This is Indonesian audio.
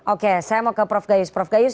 oke saya mau ke prof gayus prof gayus